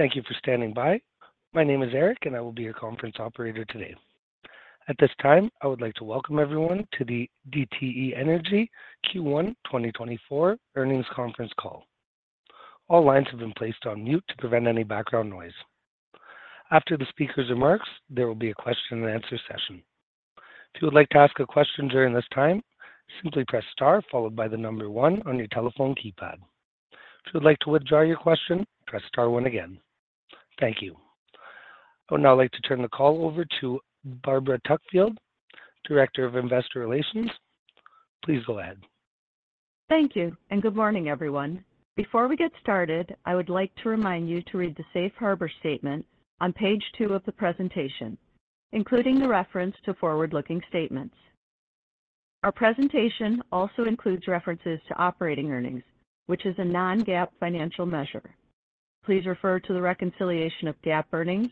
Thank you for standing by. My name is Eric, and I will be your conference operator today. At this time, I would like to welcome everyone to the DTE Energy Q1 2024 earnings conference call. All lines have been placed on mute to prevent any background noise. After the speaker's remarks, there will be a question-and-answer session. If you would like to ask a question during this time, simply press star followed by the number 1 on your telephone keypad. If you would like to withdraw your question, press star 1 again. Thank you. I would now like to turn the call over to Barbara Tuckfield, Director of Investor Relations. Please go ahead. Thank you, and good morning, everyone. Before we get started, I would like to remind you to read the Safe Harbor Statement on page two of the presentation, including the reference to forward-looking statements. Our presentation also includes references to operating earnings, which is a non-GAAP financial measure. Please refer to the reconciliation of GAAP earnings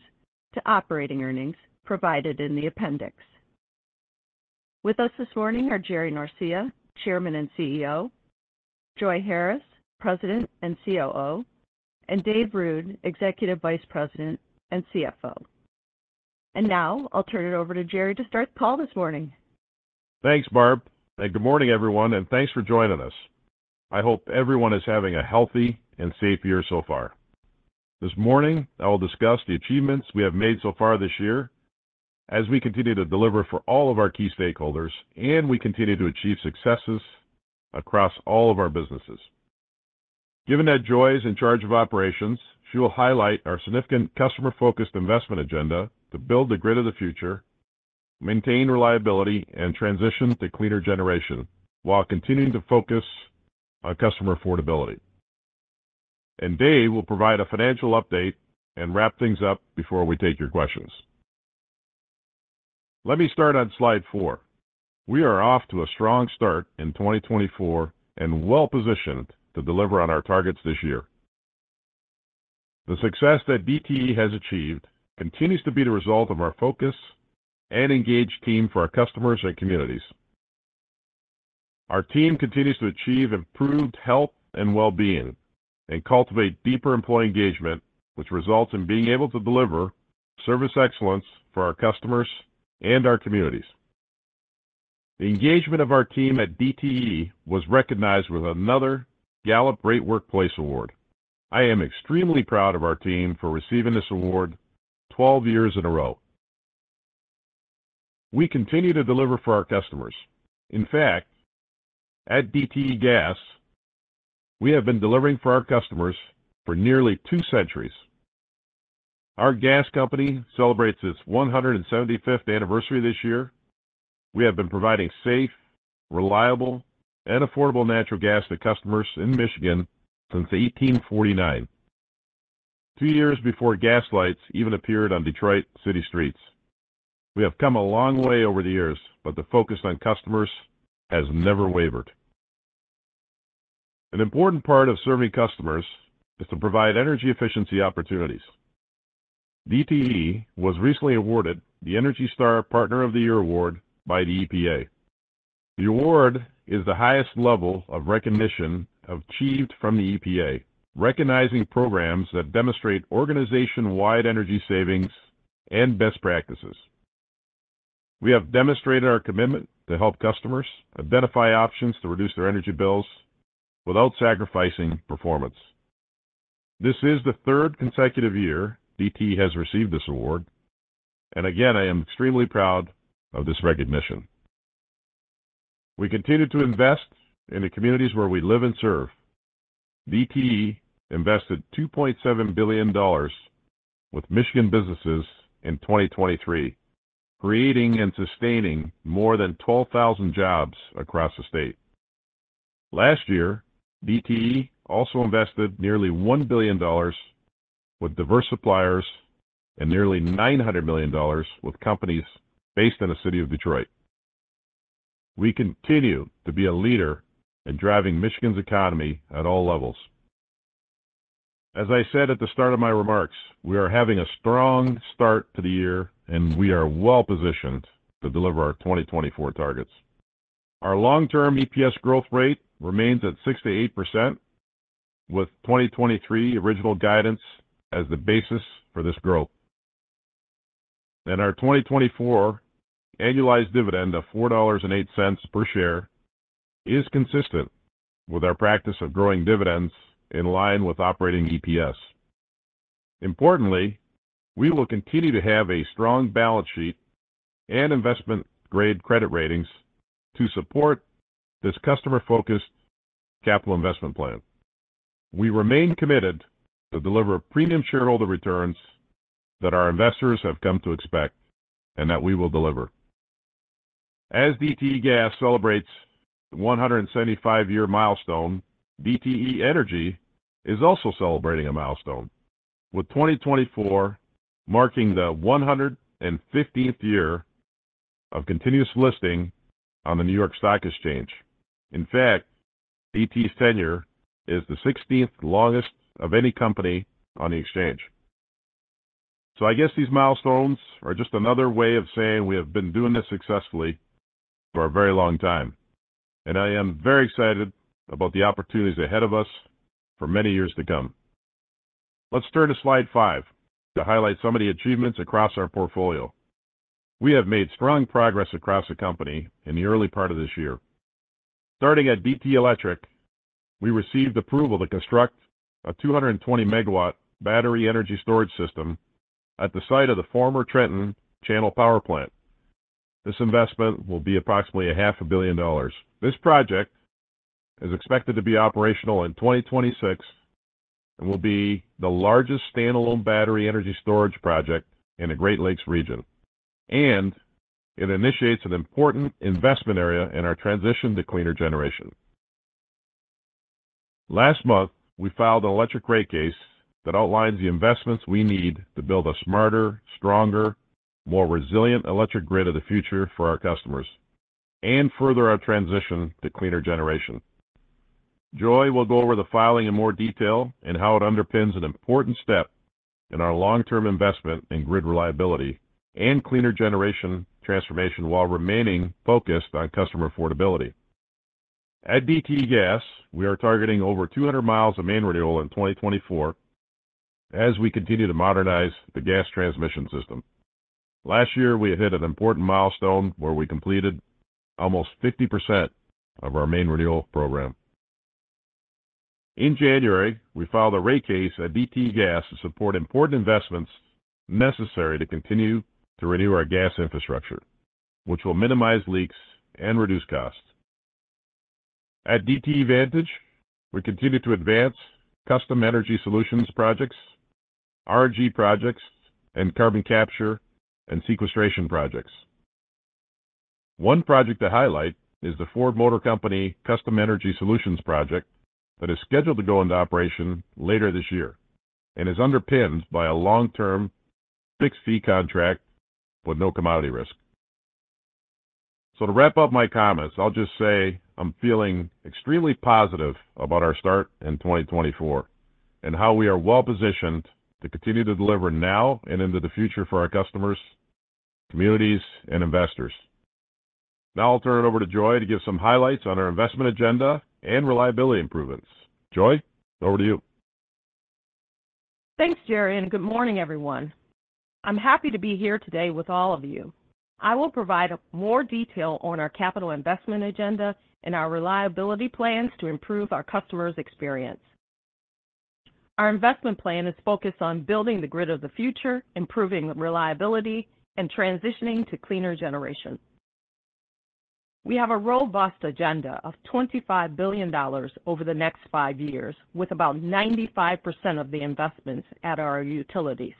to operating earnings provided in the appendix. With us this morning are Jerry Norcia, Chairman and CEO, Joi Harris, President and COO, and Dave Ruud, Executive Vice President and CFO. Now I'll turn it over to Jerry to start the call this morning. Thanks, Barb, and good morning, everyone, and thanks for joining us. I hope everyone is having a healthy and safe year so far. This morning, I will discuss the achievements we have made so far this year as we continue to deliver for all of our key stakeholders, and we continue to achieve successes across all of our businesses. Given that Joi is in charge of operations, she will highlight our significant customer-focused investment agenda to build the grid of the future, maintain reliability, and transition to cleaner generation while continuing to focus on customer affordability. Dave will provide a financial update and wrap things up before we take your questions. Let me start on slide four. We are off to a strong start in 2024 and well-positioned to deliver on our targets this year. The success that DTE has achieved continues to be the result of our focused and engaged team for our customers and communities. Our team continues to achieve improved health and well-being and cultivate deeper employee engagement, which results in being able to deliver service excellence for our customers and our communities. The engagement of our team at DTE was recognized with another Gallup Great Workplace Award. I am extremely proud of our team for receiving this award 12 years in a row. We continue to deliver for our customers. In fact, at DTE Gas, we have been delivering for our customers for nearly two centuries. Our gas company celebrates its 175th anniversary this year. We have been providing safe, reliable, and affordable natural gas to customers in Michigan since 1849, two years before gas lights even appeared on Detroit city streets. We have come a long way over the years, but the focus on customers has never wavered. An important part of serving customers is to provide energy efficiency opportunities. DTE was recently awarded the ENERGY STAR Partner of the Year Award by the EPA. The award is the highest level of recognition achieved from the EPA, recognizing programs that demonstrate organization-wide energy savings and best practices. We have demonstrated our commitment to help customers identify options to reduce their energy bills without sacrificing performance. This is the third consecutive year DTE has received this award, and again, I am extremely proud of this recognition. We continue to invest in the communities where we live and serve. DTE invested $2.7 billion with Michigan businesses in 2023, creating and sustaining more than 12,000 jobs across the state. Last year, DTE also invested nearly $1 billion with diverse suppliers and nearly $900 million with companies based in the city of Detroit. We continue to be a leader in driving Michigan's economy at all levels. As I said at the start of my remarks, we are having a strong start to the year, and we are well-positioned to deliver our 2024 targets. Our long-term EPS growth rate remains at 6%-8%, with 2023 original guidance as the basis for this growth. Our 2024 annualized dividend of $4.08 per share is consistent with our practice of growing dividends in line with operating EPS. Importantly, we will continue to have a strong balance sheet and investment-grade credit ratings to support this customer-focused capital investment plan. We remain committed to deliver premium shareholder returns that our investors have come to expect and that we will deliver. As DTE Gas celebrates the 175-year milestone, DTE Energy is also celebrating a milestone, with 2024 marking the 115th year of continuous listing on the New York Stock Exchange. In fact, DTE's tenure is the 16th longest of any company on the exchange. So I guess these milestones are just another way of saying we have been doing this successfully for a very long time, and I am very excited about the opportunities ahead of us for many years to come. Let's turn to slide five to highlight some of the achievements across our portfolio. We have made strong progress across the company in the early part of this year. Starting at DTE Electric, we received approval to construct a 220 MW battery energy storage system at the site of the former Trenton Channel Power Plant. This investment will be approximately $500 million. This project is expected to be operational in 2026 and will be the largest standalone battery energy storage project in the Great Lakes region, and it initiates an important investment area in our transition to cleaner generation. Last month, we filed an electric rate case that outlines the investments we need to build a smarter, stronger, more resilient electric grid of the future for our customers and further our transition to cleaner generation. Joi will go over the filing in more detail and how it underpins an important step in our long-term investment in grid reliability and cleaner generation transformation while remaining focused on customer affordability. At DTE Gas, we are targeting over 200 miles of Main Renewal in 2024 as we continue to modernize the gas transmission system. Last year, we hit an important milestone where we completed almost 50% of our Main Renewal program. In January, we filed a rate case at DTE Gas to support important investments necessary to continue to renew our gas infrastructure, which will minimize leaks and reduce costs. At DTE Vantage, we continue to advance Custom Energy Solutions projects, RNG projects, and carbon capture and sequestration projects. One project to highlight is the Ford Motor Company Custom Energy Solutions project that is scheduled to go into operation later this year and is underpinned by a long-term fixed-fee contract with no commodity risk. So to wrap up my comments, I'll just say I'm feeling extremely positive about our start in 2024 and how we are well-positioned to continue to deliver now and into the future for our customers, communities, and investors. Now I'll turn it over to Joi to give some highlights on our investment agenda and reliability improvements. Joi, over to you. Thanks, Jerry, and good morning, everyone. I'm happy to be here today with all of you. I will provide more detail on our capital investment agenda and our reliability plans to improve our customers' experience. Our investment plan is focused on building the grid of the future, improving reliability, and transitioning to cleaner generation. We have a robust agenda of $25 billion over the next five years, with about 95% of the investments at our utilities.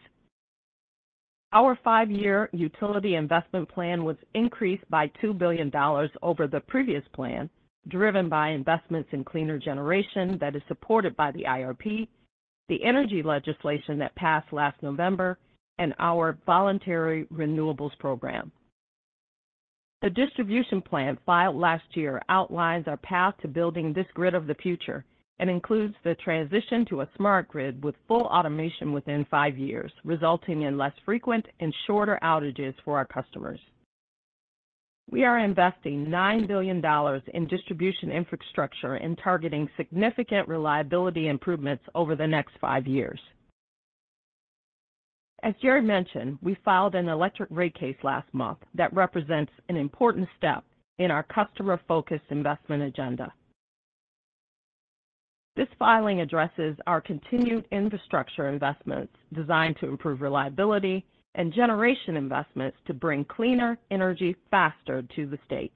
Our five-year utility investment plan was increased by $2 billion over the previous plan, driven by investments in cleaner generation that is supported by the IRP, the energy legislation that passed last November, and our voluntary renewables program. The distribution plan filed last year outlines our path to building this grid of the future and includes the transition to a smart grid with full automation within five years, resulting in less frequent and shorter outages for our customers. We are investing $9 billion in distribution infrastructure and targeting significant reliability improvements over the next five years. As Jerry mentioned, we filed an electric rate case last month that represents an important step in our customer-focused investment agenda. This filing addresses our continued infrastructure investments designed to improve reliability and generation investments to bring cleaner energy faster to the state.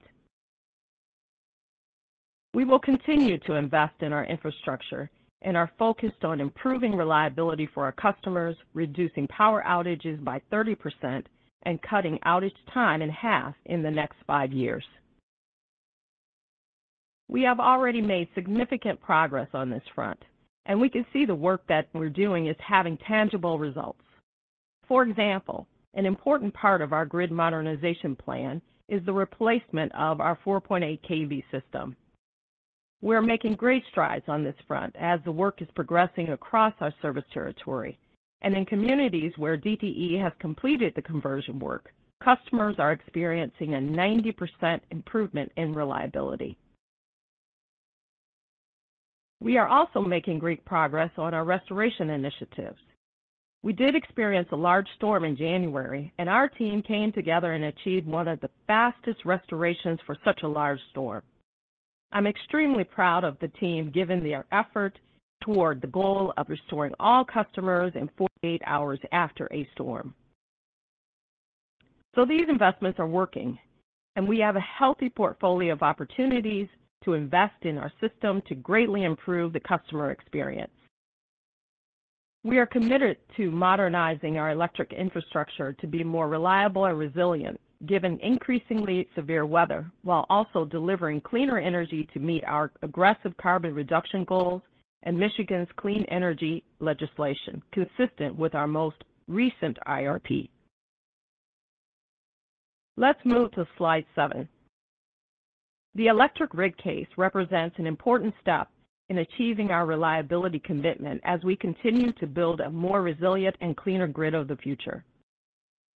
We will continue to invest in our infrastructure, and we are focused on improving reliability for our customers, reducing power outages by 30%, and cutting outage time in half in the next five years. We have already made significant progress on this front, and we can see the work that we're doing is having tangible results. For example, an important part of our grid modernization plan is the replacement of our 4.8 kV system. We're making great strides on this front as the work is progressing across our service territory, and in communities where DTE has completed the conversion work, customers are experiencing a 90% improvement in reliability. We are also making great progress on our restoration initiatives. We did experience a large storm in January, and our team came together and achieved one of the fastest restorations for such a large storm. I'm extremely proud of the team given their effort toward the goal of restoring all customers in 48 hours after a storm. These investments are working, and we have a healthy portfolio of opportunities to invest in our system to greatly improve the customer experience. We are committed to modernizing our electric infrastructure to be more reliable and resilient given increasingly severe weather, while also delivering cleaner energy to meet our aggressive carbon reduction goals and Michigan's clean energy legislation consistent with our most recent IRP. Let's move to slide seven. The electric rate case represents an important step in achieving our reliability commitment as we continue to build a more resilient and cleaner grid of the future.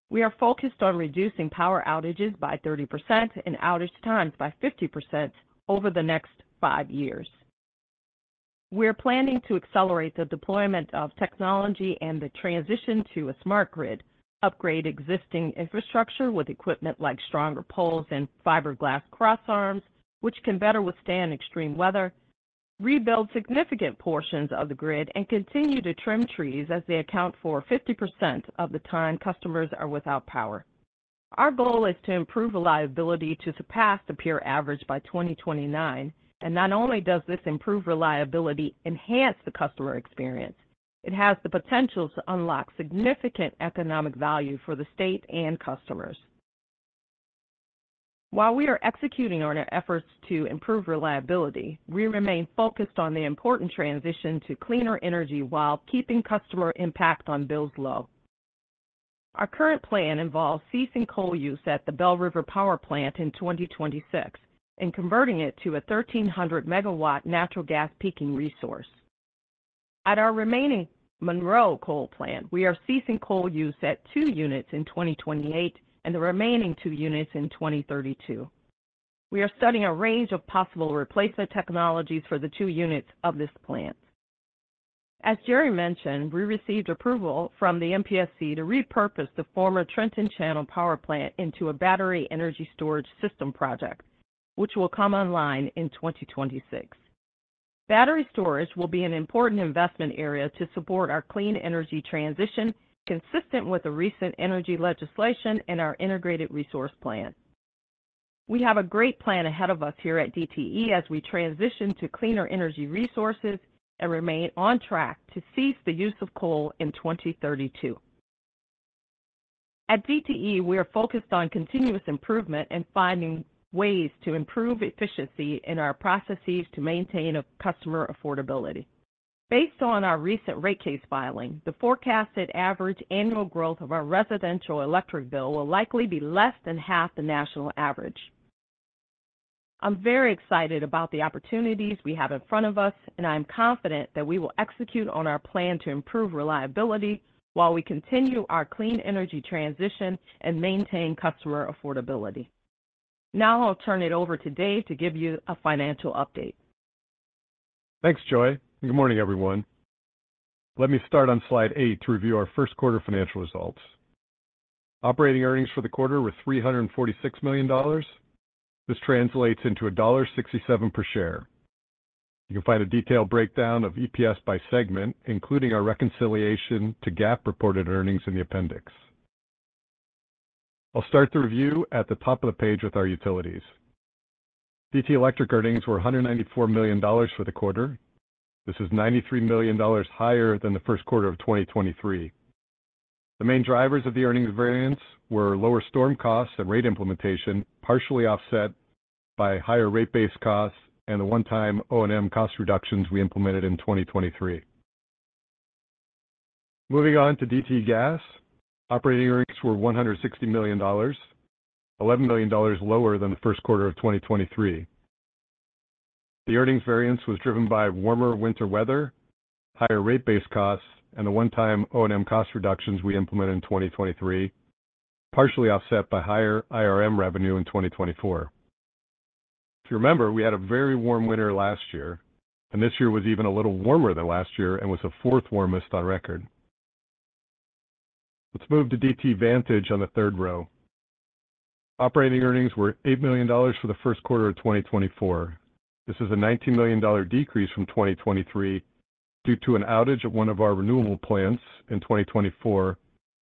We are focused on reducing power outages by 30% and outage times by 50% over the next five years. We are planning to accelerate the deployment of technology and the transition to a smart grid, upgrade existing infrastructure with equipment like stronger poles and fiberglass cross-arms, which can better withstand extreme weather, rebuild significant portions of the grid, and continue to trim trees as they account for 50% of the time customers are without power. Our goal is to improve reliability to surpass the peer average by 2029, and not only does this improve reliability but enhance the customer experience, it has the potential to unlock significant economic value for the state and customers. While we are executing on our efforts to improve reliability, we remain focused on the important transition to cleaner energy while keeping customer impact on bills low. Our current plan involves ceasing coal use at the Belle River Power Plant in 2026 and converting it to a 1,300 MW natural gas peaking resource. At our remaining Monroe Power Plant, we are ceasing coal use at two units in 2028 and the remaining two units in 2032. We are studying a range of possible replacement technologies for the two units of this plant. As Jerry mentioned, we received approval from the MPSC to repurpose the former Trenton Channel Power Plant into a battery energy storage system project, which will come online in 2026. Battery storage will be an important investment area to support our clean energy transition consistent with the recent energy legislation and our Integrated Resource Plan. We have a great plan ahead of us here at DTE as we transition to cleaner energy resources and remain on track to cease the use of coal in 2032. At DTE, we are focused on continuous improvement and finding ways to improve efficiency in our processes to maintain customer affordability. Based on our recent rate case filing, the forecasted average annual growth of our residential electric bill will likely be less than half the national average. I'm very excited about the opportunities we have in front of us, and I am confident that we will execute on our plan to improve reliability while we continue our clean energy transition and maintain customer affordability. Now I'll turn it over to Dave to give you a financial update. Thanks, Joi, and good morning, everyone. Let me start on slide eight to review our first quarter financial results. Operating earnings for the quarter were $346 million. This translates into $1.67 per share. You can find a detailed breakdown of EPS by segment, including our reconciliation to GAAP reported earnings in the appendix. I'll start the review at the top of the page with our utilities. DTE Electric earnings were $194 million for the quarter. This is $93 million higher than the first quarter of 2023. The main drivers of the earnings variance were lower storm costs and rate implementation, partially offset by higher rate base costs and the one-time O&M cost reductions we implemented in 2023. Moving on to DTE Gas, operating earnings were $160 million, $11 million lower than the first quarter of 2023. The earnings variance was driven by warmer winter weather, higher rate base costs, and the one-time O&M cost reductions we implemented in 2023, partially offset by higher IRM revenue in 2024. If you remember, we had a very warm winter last year, and this year was even a little warmer than last year and was the fourth warmest on record. Let's move to DTE Vantage on the third row. Operating earnings were $8 million for the first quarter of 2024. This is a $19 million decrease from 2023 due to an outage at one of our renewable plants in 2024,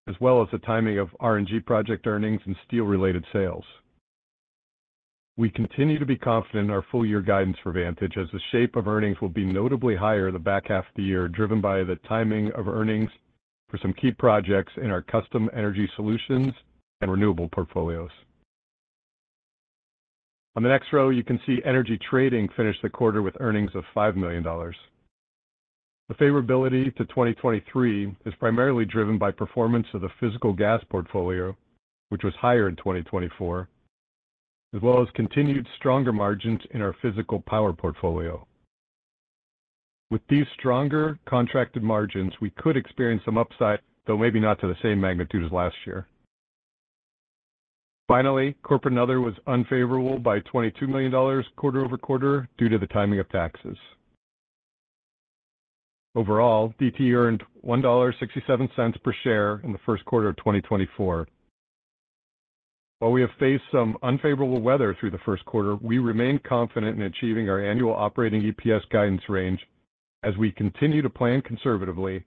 as well as the timing of RNG project earnings and steel-related sales. We continue to be confident in our full-year guidance for Vantage as the shape of earnings will be notably higher the back half of the year, driven by the timing of earnings for some key projects in our Custom Energy Solutions and renewable portfolios. On the next row, you can see Energy Trading finished the quarter with earnings of $5 million. The favorability to 2023 is primarily driven by performance of the physical gas portfolio, which was higher in 2024, as well as continued stronger margins in our physical power portfolio. With these stronger contracted margins, we could experience some upside, though maybe not to the same magnitude as last year. Finally, Corporate and Other was unfavorable by $22 million quarter over quarter due to the timing of taxes. Overall, DTE earned $1.67 per share in the first quarter of 2024. While we have faced some unfavorable weather through the first quarter, we remain confident in achieving our annual operating EPS guidance range as we continue to plan conservatively,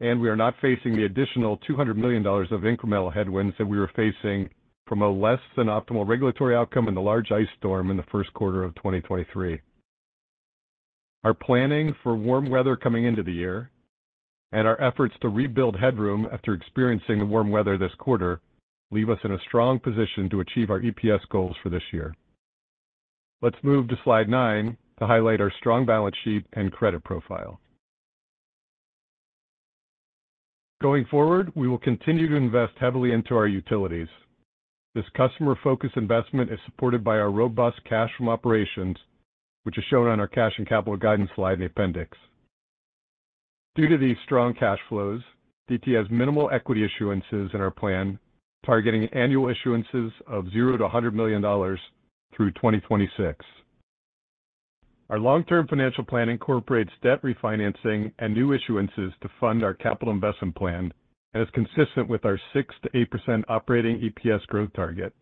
and we are not facing the additional $200 million of incremental headwinds that we were facing from a less-than-optimal regulatory outcome in the large ice storm in the first quarter of 2023. Our planning for warm weather coming into the year and our efforts to rebuild headroom after experiencing the warm weather this quarter leave us in a strong position to achieve our EPS goals for this year. Let's move to slide nine to highlight our strong balance sheet and credit profile. Going forward, we will continue to invest heavily into our utilities. This customer-focused investment is supported by our robust cash from operations, which is shown on our cash and capital guidance slide in the appendix. Due to these strong cash flows, DTE has minimal equity issuances in our plan, targeting annual issuances of $0-$100 million through 2026. Our long-term financial plan incorporates debt refinancing and new issuances to fund our capital investment plan and is consistent with our 6%-8% operating EPS growth target.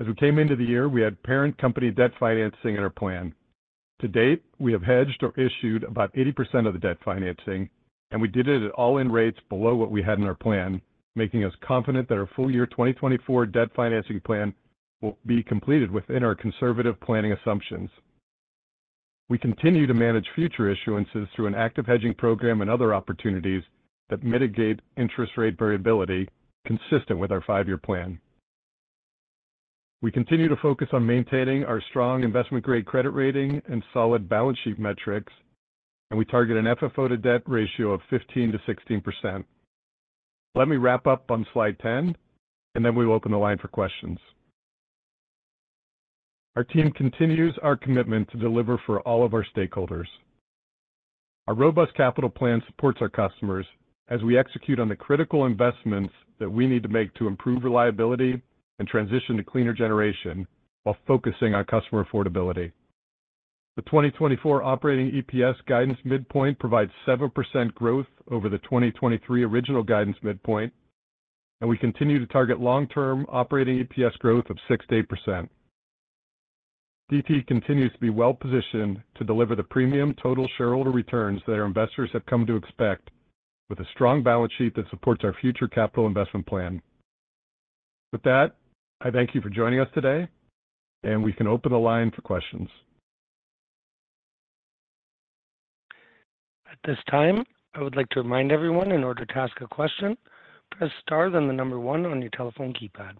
As we came into the year, we had parent company debt financing in our plan. To date, we have hedged or issued about 80% of the debt financing, and we did it at all-in rates below what we had in our plan, making us confident that our full-year 2024 debt financing plan will be completed within our conservative planning assumptions. We continue to manage future issuances through an active hedging program and other opportunities that mitigate interest rate variability consistent with our five-year plan. We continue to focus on maintaining our strong investment-grade credit rating and solid balance sheet metrics, and we target an FFO to debt ratio of 15%-16%. Let me wrap up on slide 10, and then we will open the line for questions. Our team continues our commitment to deliver for all of our stakeholders. Our robust capital plan supports our customers as we execute on the critical investments that we need to make to improve reliability and transition to cleaner generation while focusing on customer affordability. The 2024 operating EPS guidance midpoint provides 7% growth over the 2023 original guidance midpoint, and we continue to target long-term operating EPS growth of 6%-8%. DTE continues to be well-positioned to deliver the premium total shareholder returns that our investors have come to expect with a strong balance sheet that supports our future capital investment plan. With that, I thank you for joining us today, and we can open the line for questions. At this time, I would like to remind everyone, in order to ask a question, press star then the number one on your telephone keypad.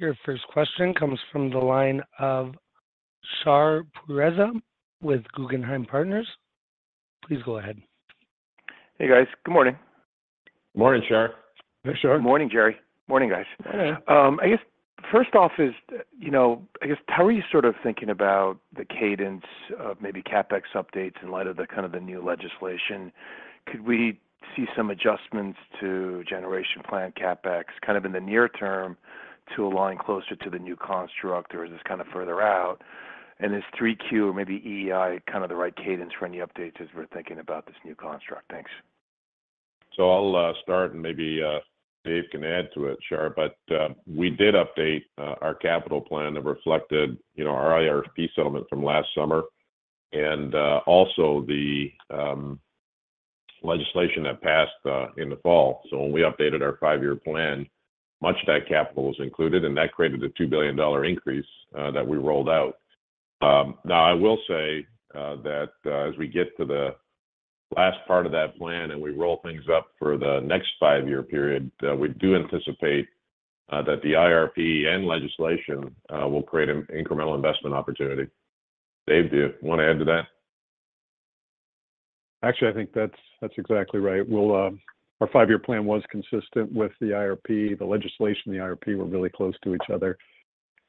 Your first question comes from the line of Shar Pourreza with Guggenheim Partners. Please go ahead. Hey, guys. Good morning. Morning, Shar. Hey, Shar. Morning, Jerry. Morning, guys. Morning. I guess first off, how are you sort of thinking about the cadence of maybe CapEx updates in light of kind of the new legislation? Could we see some adjustments to generation plant CapEx kind of in the near term to align closer to the new construct, or is this kind of further out? And is Q3 or maybe EEI kind of the right cadence for any updates as we're thinking about this new construct? Thanks. So I'll start, and maybe Dave can add to it, Shar. But we did update our capital plan that reflected our IRP settlement from last summer and also the legislation that passed in the fall. So when we updated our five-year plan, much of that capital was included, and that created a $2 billion increase that we rolled out. Now, I will say that as we get to the last part of that plan and we roll things up for the next five-year period, we do anticipate that the IRP and legislation will create an incremental investment opportunity. Dave, do you want to add to that? Actually, I think that's exactly right. Our five-year plan was consistent with the IRP. The legislation and the IRP were really close to each other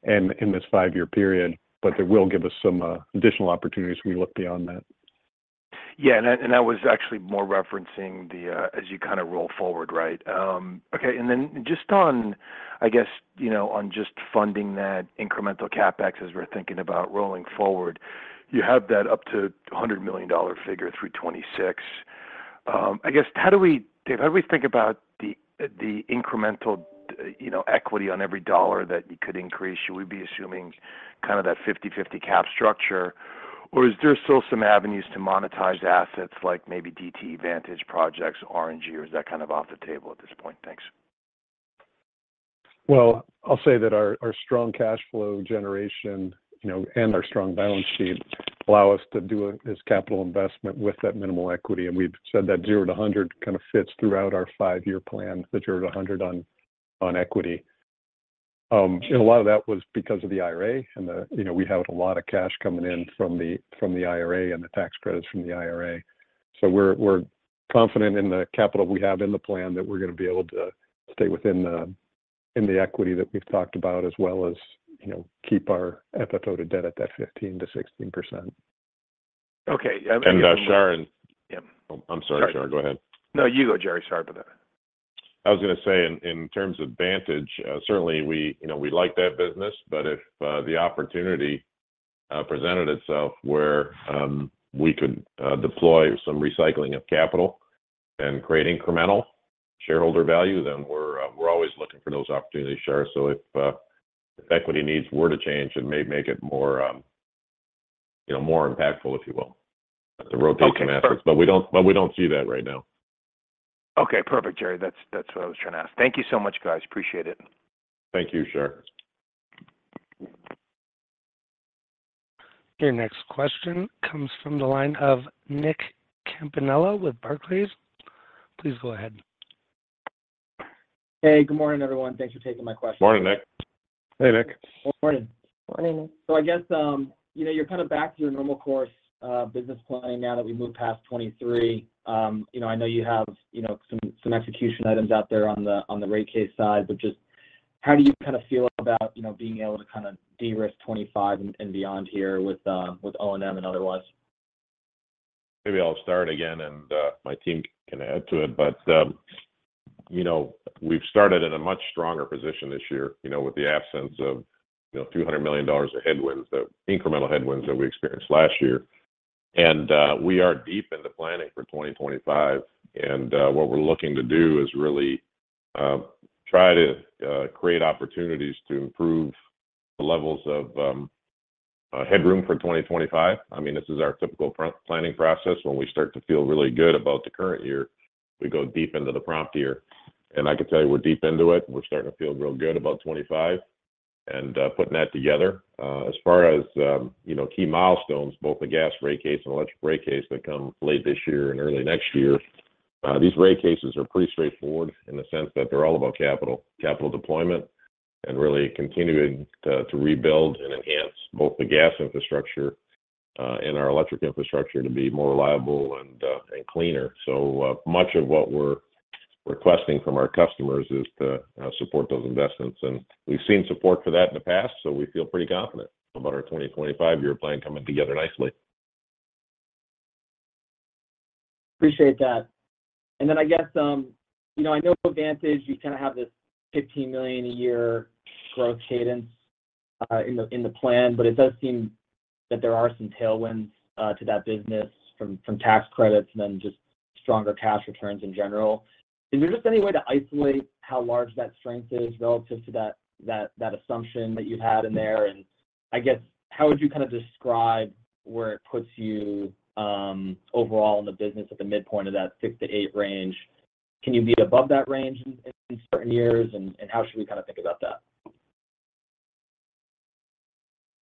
in this five-year period, but it will give us some additional opportunities if we look beyond that. Yeah, and I was actually more referencing the as you kind of roll forward, right? Okay, and then just on, I guess, on just funding that incremental CapEx as we're thinking about rolling forward, you have that up to $100 million figure through 2026. I guess, how do we, Dave, how do we think about the incremental equity on every dollar that you could increase? Should we be assuming kind of that 50/50 cap structure, or is there still some avenues to monetize assets like maybe DTE Vantage projects, RNG, or is that kind of off the table at this point? Thanks. Well, I'll say that our strong cash flow generation and our strong balance sheet allow us to do this capital investment with that minimal equity. We've said that 0-100 kind of fits throughout our five-year plan, the 0-100 on equity. A lot of that was because of the IRA, and we have a lot of cash coming in from the IRA and the tax credits from the IRA. So we're confident in the capital we have in the plan that we're going to be able to stay within the equity that we've talked about, as well as keep our FFO to debt at that 15%-16%. Okay. Shar. Yeah. I'm sorry, Shar. Go ahead. No, you go, Jerry. Sorry about that. I was going to say, in terms of Vantage, certainly, we like that business, but if the opportunity presented itself where we could deploy some recycling of capital and create incremental shareholder value, then we're always looking for those opportunities, Shar. So if equity needs were to change, it may make it more impactful, if you will, to rotate some assets. But we don't see that right now. Okay, perfect, Jerry. That's what I was trying to ask. Thank you so much, guys. Appreciate it. Thank you, Shar. Your next question comes from the line of Nick Campanella with Barclays. Please go ahead. Hey, good morning, everyone. Thanks for taking my question. Morning, Nick. Hey, Nick. Morning. Morning, Nick. I guess you're kind of back to your normal course business planning now that we moved past 2023. I know you have some execution items out there on the rate case side, but just how do you kind of feel about being able to kind of de-risk 2025 and beyond here with O&M and otherwise? Maybe I'll start again, and my team can add to it. But we've started in a much stronger position this year with the absence of $200 million of headwinds, the incremental headwinds that we experienced last year. We are deep into planning for 2025, and what we're looking to do is really try to create opportunities to improve the levels of headroom for 2025. I mean, this is our typical planning process. When we start to feel really good about the current year, we go deep into the prompt year. I can tell you we're deep into it, and we're starting to feel real good about 2025 and putting that together. As far as key milestones, both the gas rate case and electric rate case that come late this year and early next year, these rate cases are pretty straightforward in the sense that they're all about capital deployment and really continuing to rebuild and enhance both the gas infrastructure and our electric infrastructure to be more reliable and cleaner. So much of what we're requesting from our customers is to support those investments. We've seen support for that in the past, so we feel pretty confident about our 2025 year plan coming together nicely. Appreciate that. And then I guess I know Vantage, you kind of have this $15 million a year growth cadence in the plan, but it does seem that there are some tailwinds to that business from tax credits and then just stronger cash returns in general. Is there just any way to isolate how large that strength is relative to that assumption that you've had in there? And I guess, how would you kind of describe where it puts you overall in the business at the midpoint of that six to eight range? Can you be above that range in certain years, and how should we kind of think about that?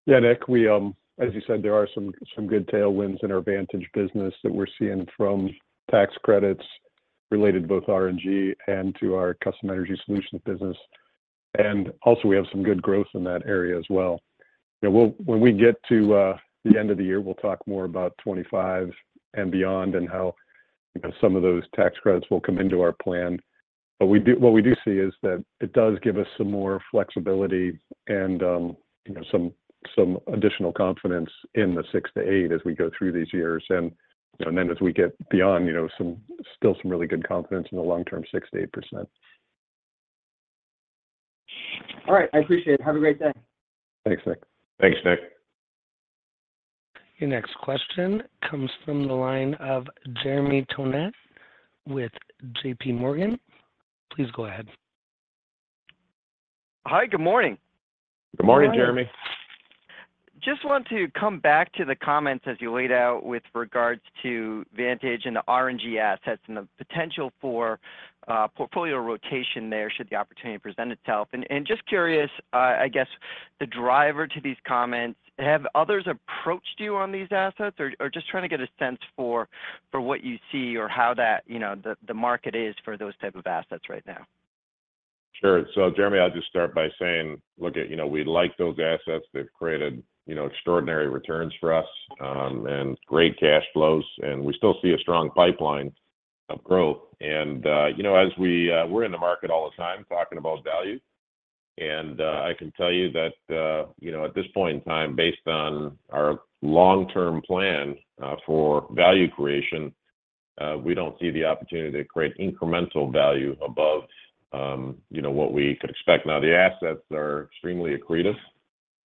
Yeah, Nick, as you said, there are some good tailwinds in our Vantage business that we're seeing from tax credits related to both RNG and to our Custom Energy Solutions business. And also, we have some good growth in that area as well. When we get to the end of the year, we'll talk more about 2025 and beyond and how some of those tax credits will come into our plan. But what we do see is that it does give us some more flexibility and some additional confidence in the six to eight as we go through these years. And then as we get beyond, still some really good confidence in the long-term 6%-8%. All right. I appreciate it. Have a great day. Thanks, Nick. Thanks, Nick. Your next question comes from the line of Jeremy Tonet with JPMorgan. Please go ahead. Hi, good morning. Good morning, Jeremy. Good morning. Just want to come back to the comments as you laid out with regards to Vantage and the RNG assets and the potential for portfolio rotation there should the opportunity present itself. And just curious, I guess, the driver to these comments, have others approached you on these assets or just trying to get a sense for what you see or how the market is for those type of assets right now? Sure. So Jeremy, I'll just start by saying, look, we like those assets. They've created extraordinary returns for us and great cash flows. And we still see a strong pipeline of growth. And we're in the market all the time talking about value. And I can tell you that at this point in time, based on our long-term plan for value creation, we don't see the opportunity to create incremental value above what we could expect. Now, the assets are extremely accretive,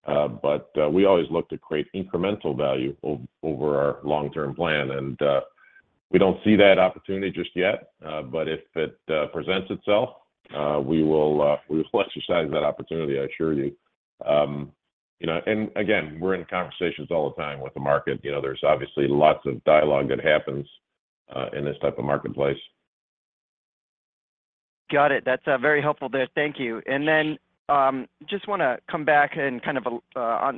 but we always look to create incremental value over our long-term plan. And we don't see that opportunity just yet. But if it presents itself, we will exercise that opportunity, I assure you. And again, we're in conversations all the time with the market. There's obviously lots of dialogue that happens in this type of marketplace. Got it. That's very helpful there. Thank you. And then just want to come back and kind of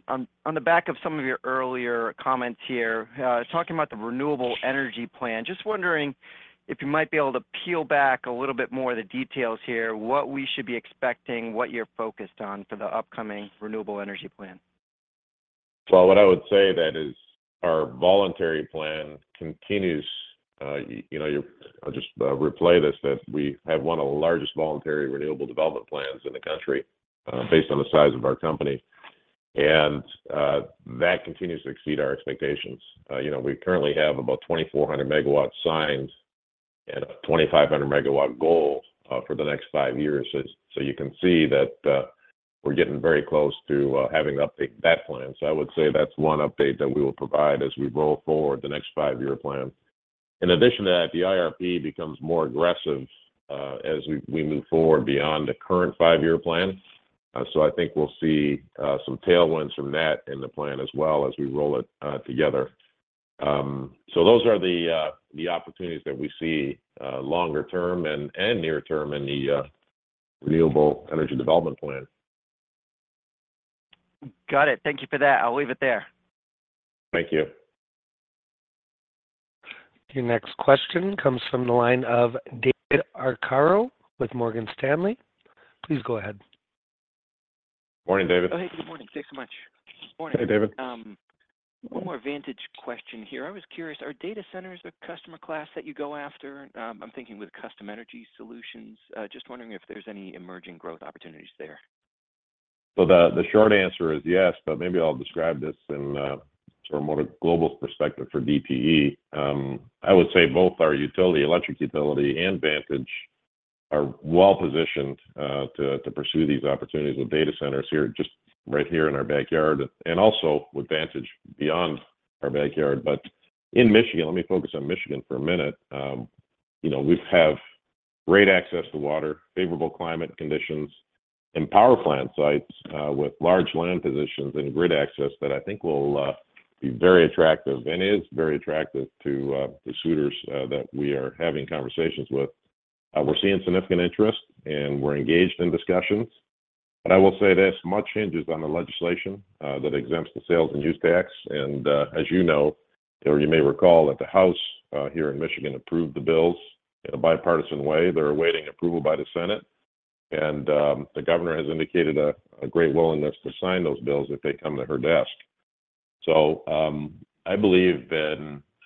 on the back of some of your earlier comments here, talking about the renewable energy plan, just wondering if you might be able to peel back a little bit more of the details here, what we should be expecting, what you're focused on for the upcoming renewable energy plan? Well, what I would say is that our voluntary plan continues. I'll just relay this, that we have one of the largest voluntary renewable development plans in the country based on the size of our company. That continues to exceed our expectations. We currently have about 2,400 MW signed and a 2,500 MW goal for the next five years. You can see that we're getting very close to having to update that plan. I would say that's one update that we will provide as we roll forward the next five-year plan. In addition to that, the IRP becomes more aggressive as we move forward beyond the current five-year plan. I think we'll see some tailwinds from that in the plan as well as we roll it together. Those are the opportunities that we see longer term and near term in the renewable energy development plan. Got it. Thank you for that. I'll leave it there. Thank you. Your next question comes from the line of David Arcaro with Morgan Stanley. Please go ahead. Morning, David. Hey, good morning. Thanks so much. Good morning. Hey, David. One more Vantage question here. I was curious, are data centers the customer class that you go after? I'm thinking with Custom Energy Solutions. Just wondering if there's any emerging growth opportunities there. So the short answer is yes, but maybe I'll describe this from a more global perspective for DTE. I would say both our utility, electric utility, and Vantage are well-positioned to pursue these opportunities with data centers right here in our backyard and also with Vantage beyond our backyard. But in Michigan, let me focus on Michigan for a minute. We have great access to water, favorable climate conditions, and power plant sites with large land positions and grid access that I think will be very attractive and is very attractive to the suitors that we are having conversations with. We're seeing significant interest, and we're engaged in discussions. But I will say this, much hinges on the legislation that exempts the sales and use tax. And as you know, or you may recall, that the House here in Michigan approved the bills in a bipartisan way. They're awaiting approval by the Senate. The governor has indicated a great willingness to sign those bills if they come to her desk. I believe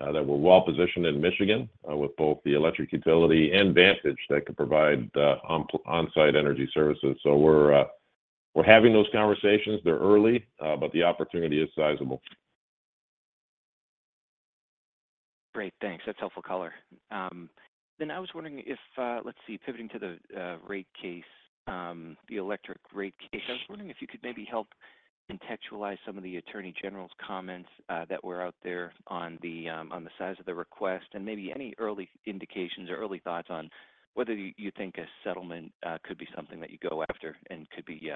that we're well-positioned in Michigan with both the electric utility and Vantage that could provide on-site energy services. We're having those conversations. They're early, but the opportunity is sizable. Great. Thanks. That's helpful color. Then I was wondering if let's see, pivoting to the rate case, the electric rate case, I was wondering if you could maybe help contextualize some of the attorney general's comments that were out there on the size of the request and maybe any early indications or early thoughts on whether you think a settlement could be something that you go after and could be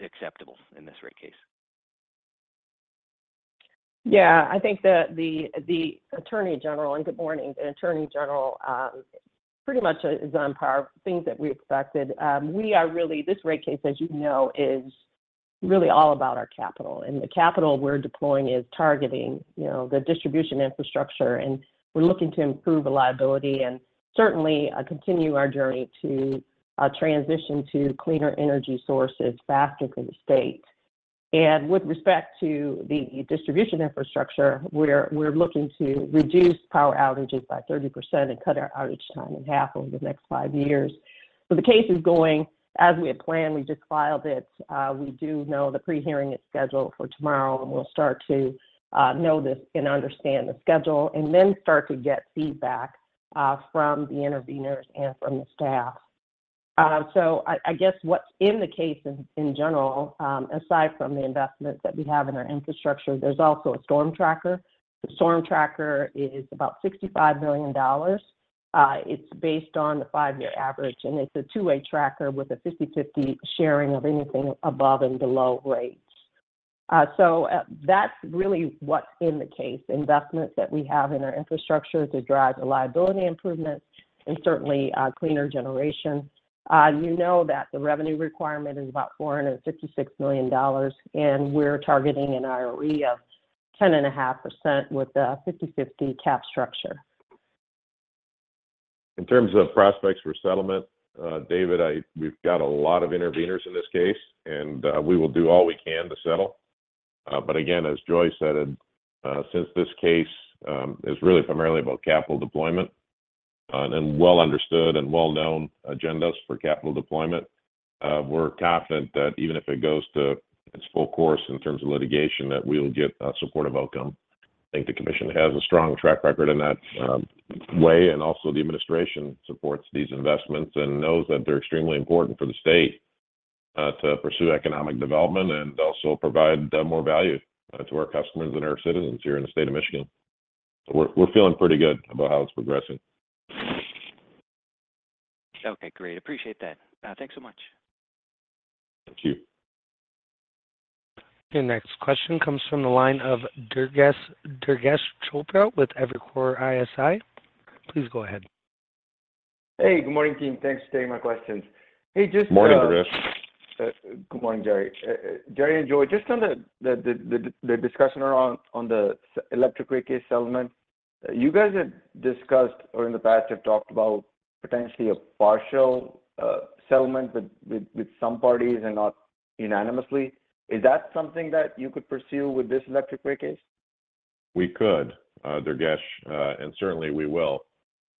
acceptable in this rate case. Yeah, I think the attorney general and good morning. The attorney general pretty much is on par. Things that we expected. We are really this rate case, as you know, is really all about our capital. And the capital we're deploying is targeting the distribution infrastructure. And we're looking to improve reliability and certainly continue our journey to transition to cleaner energy sources faster for the state. And with respect to the distribution infrastructure, we're looking to reduce power outages by 30% and cut our outage time in half over the next five years. So the case is going as we had planned. We just filed it. We do know the prehearing is scheduled for tomorrow, and we'll start to know this and understand the schedule and then start to get feedback from the intervenors and from the staff. So I guess what's in the case in general, aside from the investments that we have in our infrastructure, there's also a Storm Tracker. The Storm Tracker is about $65 million. It's based on the five-year average, and it's a two-way tracker with a 50/50 sharing of anything above and below rates. So that's really what's in the case, investments that we have in our infrastructure to drive reliability improvements and certainly cleaner generation. You know that the revenue requirement is about $456 million, and we're targeting an ROE of 10.5% with a 50/50 cap structure. In terms of prospects for settlement, David, we've got a lot of intervenors in this case, and we will do all we can to settle. But again, as Joi said, since this case is really primarily about capital deployment and well-understood and well-known agendas for capital deployment, we're confident that even if it goes to its full course in terms of litigation, that we'll get a supportive outcome. I think the commission has a strong track record in that way, and also the administration supports these investments and knows that they're extremely important for the state to pursue economic development and also provide more value to our customers and our citizens here in the state of Michigan. So we're feeling pretty good about how it's progressing. Okay. Great. Appreciate that. Thanks so much. Thank you. Your next question comes from the line of Durgesh Chopra with Evercore ISI. Please go ahead. Hey, good morning, team. Thanks for taking my questions. Hey, just. Morning, Durgesh. Good morning, Jerry. Jerry and Joi, just on the discussion around the electric rate case settlement, you guys have discussed or in the past have talked about potentially a partial settlement with some parties and not unanimously. Is that something that you could pursue with this electric rate case? We could, Durgesh, and certainly we will.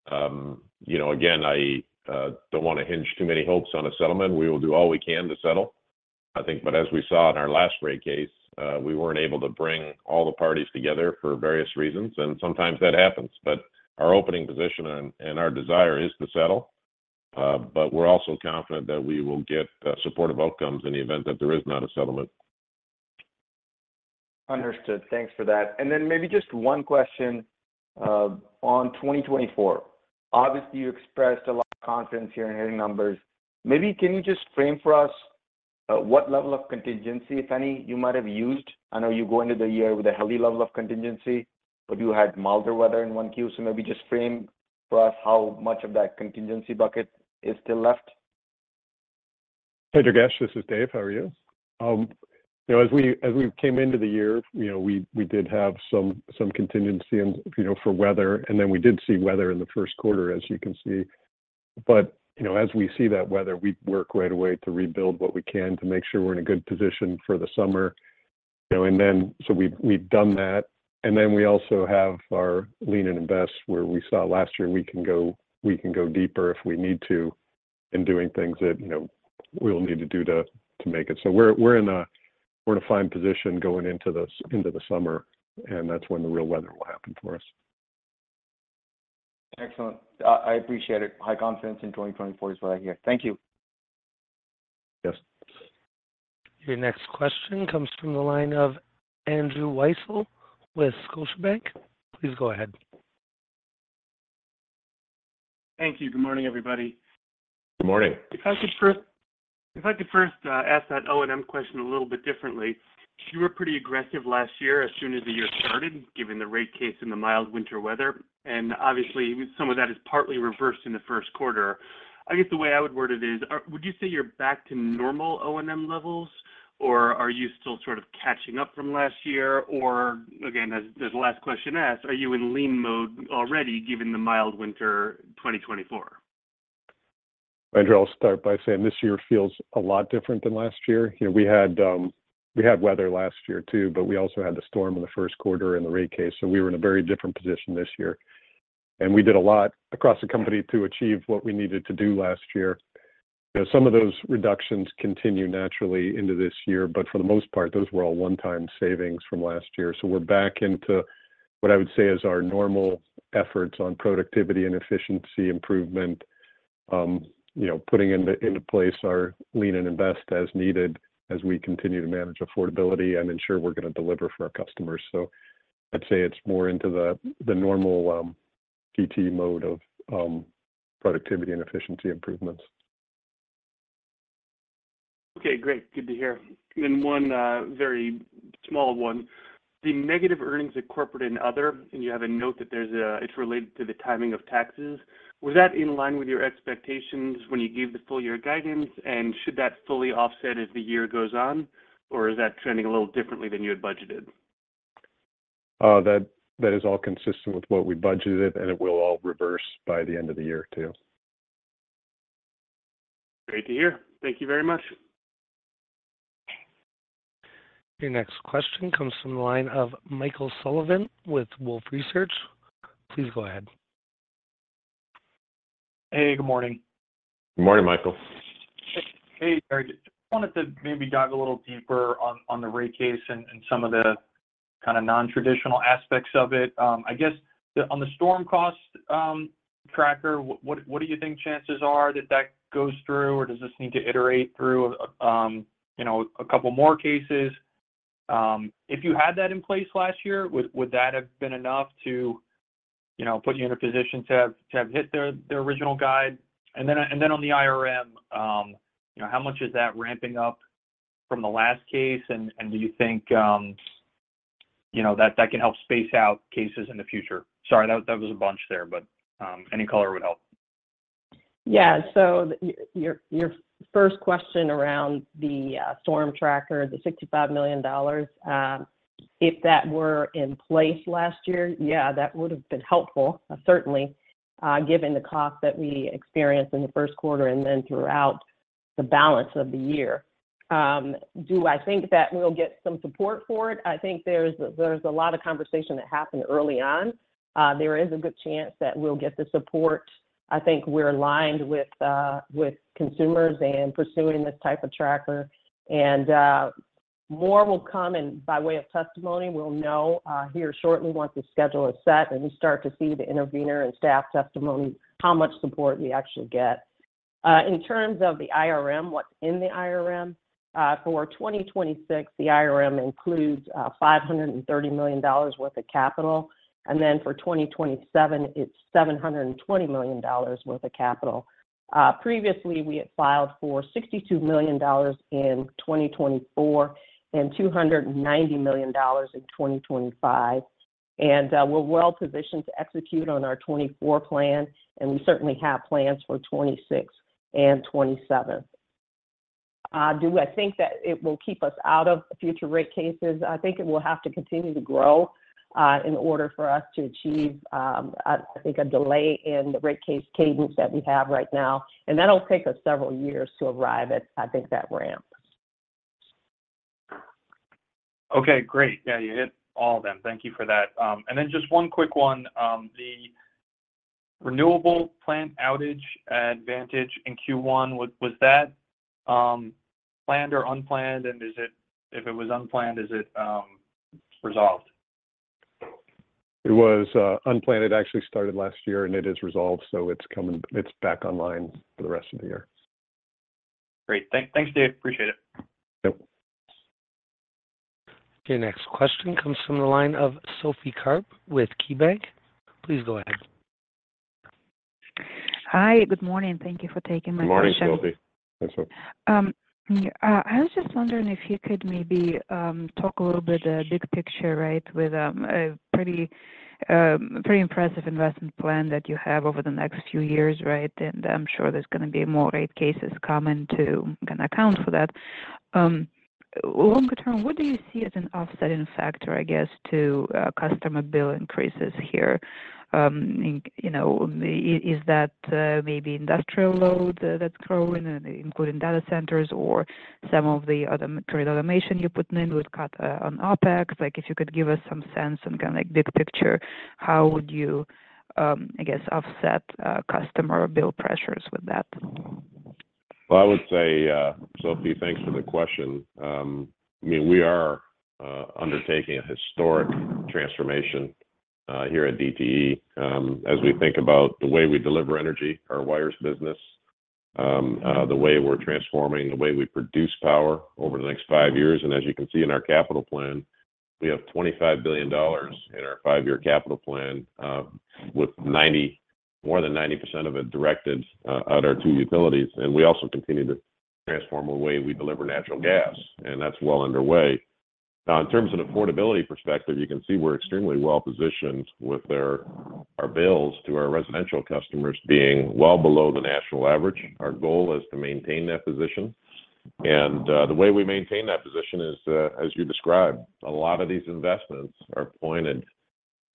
Again, I don't want to hinge too many hopes on a settlement. We will do all we can to settle, I think. But as we saw in our last rate case, we weren't able to bring all the parties together for various reasons. Sometimes that happens. But our opening position and our desire is to settle. But we're also confident that we will get supportive outcomes in the event that there is not a settlement. Understood. Thanks for that. Then maybe just one question on 2024. Obviously, you expressed a lot of confidence here in hearing numbers. Maybe can you just frame for us what level of contingency, if any, you might have used? I know you go into the year with a healthy level of contingency, but you had milder weather in Q1. So maybe just frame for us how much of that contingency bucket is still left. Hey, Durgesh. This is Dave. How are you? As we came into the year, we did have some contingency for weather, and then we did see weather in the first quarter, as you can see. But as we see that weather, we work right away to rebuild what we can to make sure we're in a good position for the summer. We've done that. We also have our lean and invest where we saw last year we can go deeper if we need to in doing things that we'll need to do to make it. We're in a fine position going into the summer, and that's when the real weather will happen for us. Excellent. I appreciate it. High confidence in 2024 is what I hear. Thank you. Yes. Your next question comes from the line of Andrew Weisel with Scotiabank. Please go ahead. Thank you. Good morning, everybody. Good morning. If I could ask that O&M question a little bit differently. You were pretty aggressive last year as soon as the year started, given the rate case and the mild winter weather. Obviously, some of that is partly reversed in the first quarter. I guess the way I would word it is, would you say you're back to normal O&M levels, or are you still sort of catching up from last year? Or again, as the last question asked, are you in lean mode already given the mild winter 2024? Andrew, I'll start by saying this year feels a lot different than last year. We had weather last year too, but we also had the storm in the first quarter in the rate case. So we were in a very different position this year. We did a lot across the company to achieve what we needed to do last year. Some of those reductions continue naturally into this year, but for the most part, those were all one-time savings from last year. So we're back into what I would say is our normal efforts on productivity and efficiency improvement, putting into place our lean and invest as needed as we continue to manage affordability and ensure we're going to deliver for our customers. So I'd say it's more into the normal DTE mode of productivity and efficiency improvements. Okay. Great. Good to hear. And then one very small one. The negative earnings at Corporate and Other, and you have a note that it's related to the timing of taxes. Was that in line with your expectations when you gave the full-year guidance? And should that fully offset as the year goes on, or is that trending a little differently than you had budgeted? That is all consistent with what we budgeted, and it will all reverse by the end of the year too. Great to hear. Thank you very much. Your next question comes from the line of Michael Sullivan with Wolfe Research. Please go ahead. Hey, good morning. Good morning, Michael. Hey, Jerry. I just wanted to maybe dive a little deeper on the rate case and some of the kind of non-traditional aspects of it. I guess on the Storm Tracker, what do you think chances are that that goes through, or does this need to iterate through a couple more cases? If you had that in place last year, would that have been enough to put you in a position to have hit the original guide? And then on the IRM, how much is that ramping up from the last case, and do you think that can help space out cases in the future? Sorry, that was a bunch there, but any color would help. Yeah. So your first question around the Storm Tracker, the $65 million, if that were in place last year, yeah, that would have been helpful, certainly, given the cost that we experienced in the first quarter and then throughout the balance of the year. Do I think that we'll get some support for it? I think there's a lot of conversation that happened early on. There is a good chance that we'll get the support. I think we're aligned with consumers and pursuing this type of tracker. More will come. By way of testimony, we'll know here shortly once the schedule is set and we start to see the intervenor and staff testimony how much support we actually get. In terms of the IRM, what's in the IRM? For 2026, the IRM includes $530 million worth of capital. Then for 2027, it's $720 million worth of capital. Previously, we had filed for $62 million in 2024 and $290 million in 2025. We're well-positioned to execute on our 2024 plan, and we certainly have plans for 2026 and 2027. Do I think that it will keep us out of future rate cases? I think it will have to continue to grow in order for us to achieve, I think, a delay in the rate case cadence that we have right now. That'll take us several years to arrive at, I think, that ramp. Okay. Great. Yeah, you hit all of them. Thank you for that. And then just one quick one. The renewable plant outage at Vantage in Q1, was that planned or unplanned? And if it was unplanned, is it resolved? It was unplanned. It actually started last year, and it is resolved. So it's back online for the rest of the year. Great. Thanks, Dave. Appreciate it. Yep. Your next question comes from the line of Sophie Karp with KeyBanc. Please go ahead. Hi. Good morning. Thank you for taking my question. Good morning, Sophie. I was just wondering if you could maybe talk a little bit of the big picture, right, with a pretty impressive investment plan that you have over the next few years, right? I'm sure there's going to be more rate cases coming to kind of account for that. Longer term, what do you see as an offsetting factor, I guess, to customer bill increases here? Is that maybe industrial load that's growing, including data centers, or some of the other automation you're putting in with cut on OpEx? If you could give us some sense on kind of big picture, how would you, I guess, offset customer bill pressures with that? Well, I would say, Sophie, thanks for the question. I mean, we are undertaking a historic transformation here at DTE as we think about the way we deliver energy, our wires business, the way we're transforming, the way we produce power over the next five years. And as you can see in our capital plan, we have $25 billion in our five-year capital plan with more than 90% of it directed at our two utilities. And we also continue to transform the way we deliver natural gas, and that's well underway. Now, in terms of an affordability perspective, you can see we're extremely well-positioned with our bills to our residential customers being well below the national average. Our goal is to maintain that position. And the way we maintain that position is, as you described, a lot of these investments are pointed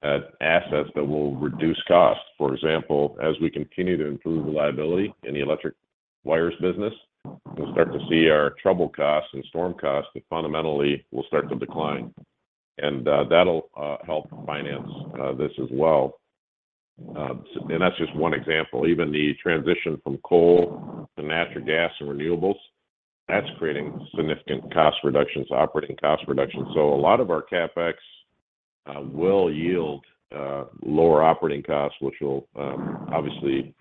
at assets that will reduce costs. For example, as we continue to improve reliability in the electric wires business, we'll start to see our trouble costs and storm costs that fundamentally will start to decline. That'll help finance this as well. That's just one example. Even the transition from coal to natural gas and renewables, that's creating significant cost reductions, operating cost reductions. A lot of our CapEx will yield lower operating costs, which will obviously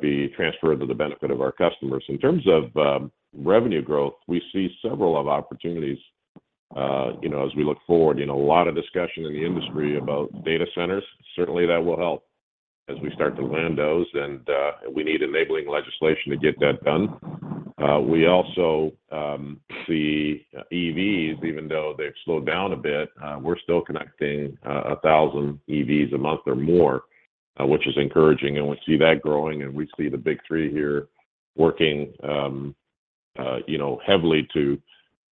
be transferred to the benefit of our customers. In terms of revenue growth, we see several opportunities as we look forward. A lot of discussion in the industry about data centers. Certainly, that will help as we start to land those, and we need enabling legislation to get that done. We also see EVs, even though they've slowed down a bit, we're still connecting 1,000 EVs a month or more, which is encouraging. We see that growing, and we see the Big Three here working heavily to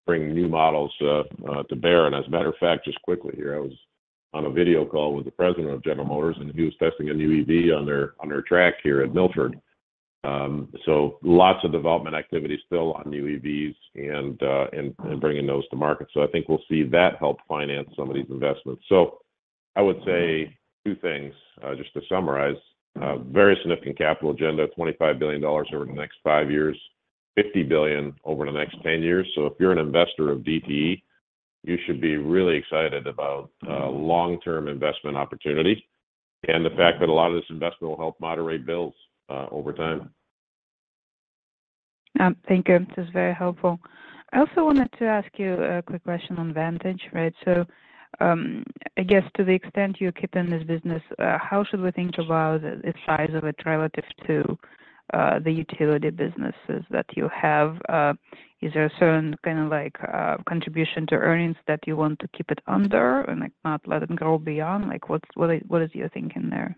bring new models to bear. As a matter of fact, just quickly here, I was on a video call with the president of General Motors, and he was testing a new EV on their track here at Milford. So lots of development activity still on new EVs and bringing those to market. So I think we'll see that help finance some of these investments. So I would say two things, just to summarize. Very significant capital agenda, $25 billion over the next five years, $50 billion over the next 10 years. So if you're an investor of DTE, you should be really excited about long-term investment opportunities and the fact that a lot of this investment will help moderate bills over time. Thank you. This is very helpful. I also wanted to ask you a quick question on Vantage, right? So I guess to the extent you're keeping this business, how should we think about the size of it relative to the utility businesses that you have? Is there a certain kind of contribution to earnings that you want to keep it under and not let it grow beyond? What is your thinking there?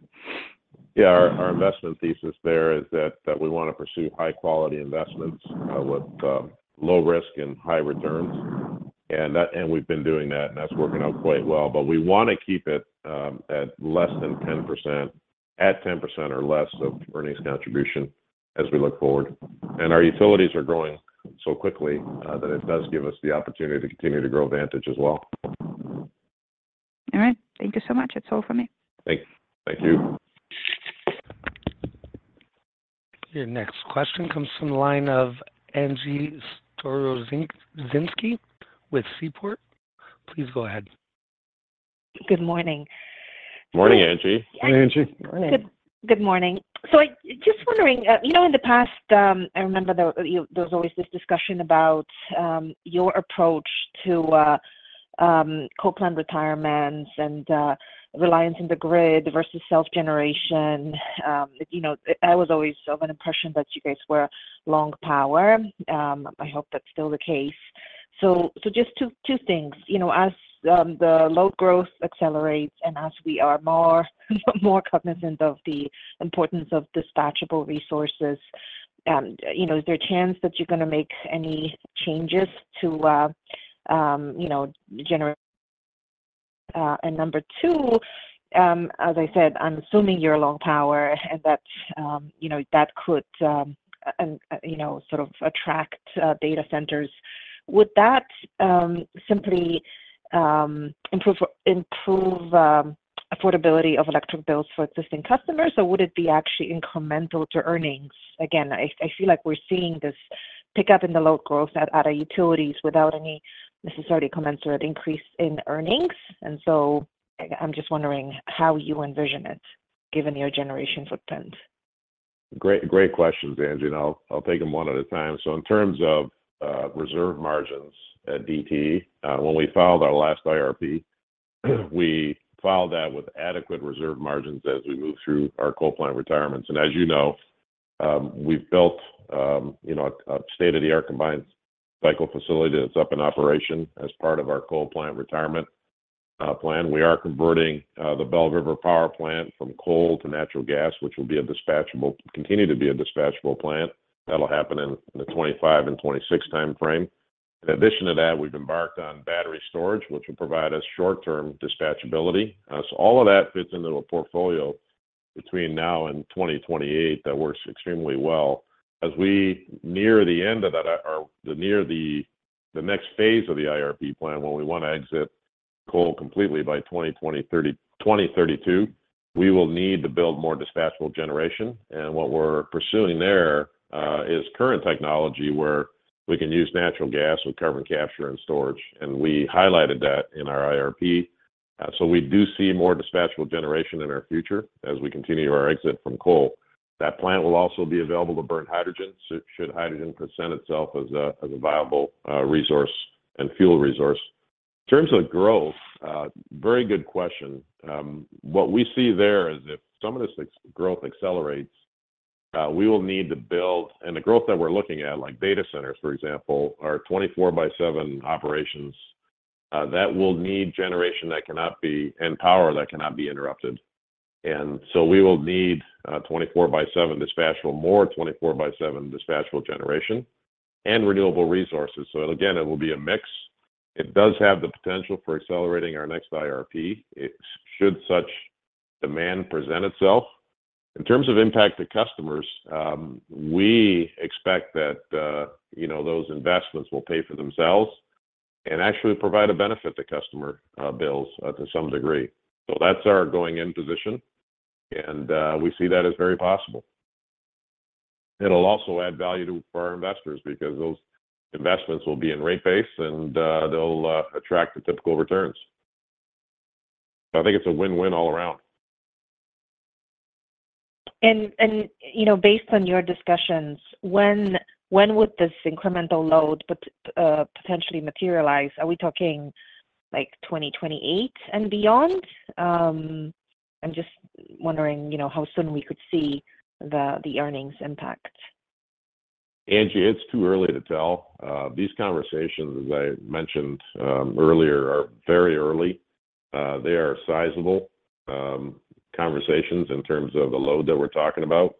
Yeah. Our investment thesis there is that we want to pursue high-quality investments with low risk and high returns. We've been doing that, and that's working out quite well. But we want to keep it at less than 10% at 10% or less of earnings contribution as we look forward. Our utilities are growing so quickly that it does give us the opportunity to continue to grow Vantage as well. All right. Thank you so much. That's all from me. Thank you. Your next question comes from the line of Angie Storozynski with Seaport. Please go ahead. Good morning. Morning, Angie. Hi, Angie. Good morning. So I'm just wondering, in the past, I remember there was always this discussion about your approach to coal plant retirements and reliance on the grid versus self-generation. I was always of an impression that you guys were long power. I hope that's still the case. So just two things. As the load growth accelerates and as we are more cognizant of the importance of dispatchable resources, is there a chance that you're going to make any changes to generation? And number two, as I said, I'm assuming you're long power and that that could sort of attract data centers. Would that simply improve affordability of electric bills for existing customers, or would it be actually incremental to earnings? Again, I feel like we're seeing this pickup in the load growth at our utilities without any necessary commensurate increase in earnings. And so I'm just wondering how you envision it given your generation footprint? Great questions, Angie. I'll take them one at a time. So in terms of reserve margins at DTE, when we filed our last IRP, we filed that with adequate reserve margins as we move through our coal plant retirements. As you know, we've built a state-of-the-art combined cycle facility that's up in operation as part of our coal plant retirement plan. We are converting the Belle River Power Plant from coal to natural gas, which will continue to be a dispatchable plant. That'll happen in the 2025 and 2026 timeframe. In addition to that, we've embarked on battery storage, which will provide us short-term dispatchability. So all of that fits into a portfolio between now and 2028 that works extremely well. As we near the end of that or near the next phase of the IRP plan, when we want to exit coal completely by 2032, we will need to build more dispatchable generation. And what we're pursuing there is current technology where we can use natural gas with carbon capture and storage. And we highlighted that in our IRP. So we do see more dispatchable generation in our future as we continue our exit from coal. That plant will also be available to burn hydrogen should hydrogen present itself as a viable resource and fuel resource. In terms of growth, very good question. What we see there is if some of this growth accelerates, we will need to build and the growth that we're looking at, like data centers, for example, are 24/7 operations. That will need generation that cannot be and power that cannot be interrupted. We will need 24/7 dispatchable, more 24/7 dispatchable generation and renewable resources. Again, it will be a mix. It does have the potential for accelerating our next IRP should such demand present itself. In terms of impact to customers, we expect that those investments will pay for themselves and actually provide a benefit to customer bills to some degree. That's our going-in position, and we see that as very possible. It'll also add value to our investors because those investments will be in rate base, and they'll attract the typical returns. I think it's a win-win all around. Based on your discussions, when would this incremental load potentially materialize? Are we talking 2028 and beyond? I'm just wondering how soon we could see the earnings impact. Angie, it's too early to tell. These conversations, as I mentioned earlier, are very early. They are sizable conversations in terms of the load that we're talking about.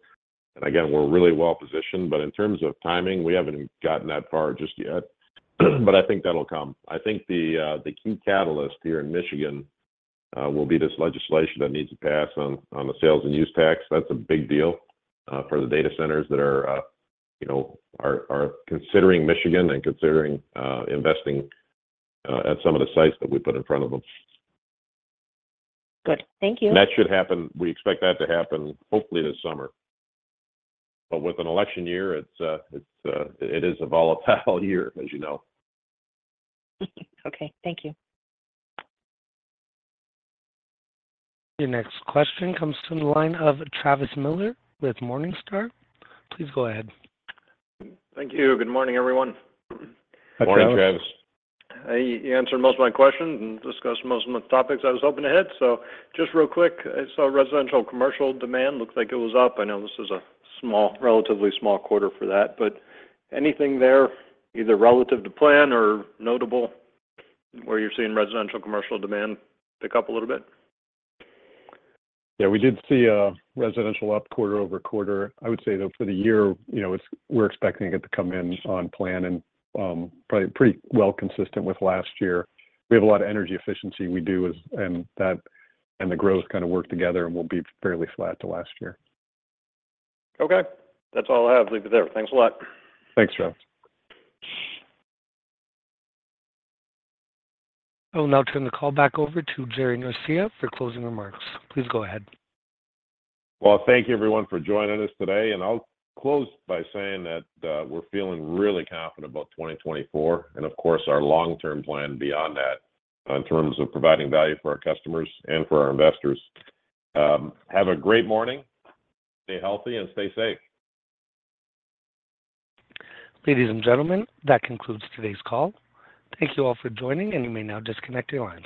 Again, we're really well-positioned. In terms of timing, we haven't gotten that far just yet. I think that'll come. I think the key catalyst here in Michigan will be this legislation that needs to pass on the Sales and use tax. That's a big deal for the data centers that are considering Michigan and considering investing at some of the sites that we put in front of them. Good. Thank you. And that should happen. We expect that to happen, hopefully, this summer. But with an election year, it is a volatile year, as you know. Okay. Thank you. Your next question comes from the line of Travis Miller with Morningstar. Please go ahead. Thank you. Good morning, everyone. Good morning, Travis. You answered most of my questions and discussed most of the topics I was hoping to hit. So just real quick, I saw residential commercial demand. Looks like it was up. I know this is a relatively small quarter for that. But anything there, either relative to plan or notable, where you're seeing residential commercial demand pick up a little bit? Yeah. We did see residential up quarter-over-quarter. I would say, though, for the year, we're expecting it to come in on plan and probably pretty well-consistent with last year. We have a lot of energy efficiency we do, and that and the growth kind of work together, and we'll be fairly flat to last year. Okay. That's all I have. Leave it there. Thanks a lot. Thanks, Travis. I'll now turn the call back over to Jerry Norcia for closing remarks. Please go ahead. Well, thank you, everyone, for joining us today. I'll close by saying that we're feeling really confident about 2024 and, of course, our long-term plan beyond that in terms of providing value for our customers and for our investors. Have a great morning. Stay healthy and stay safe. Ladies and gentlemen, that concludes today's call. Thank you all for joining, and you may now disconnect your lines.